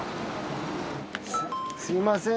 すみません。